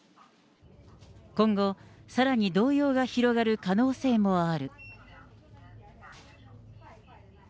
今後、さらに動揺が広がる可能性もある。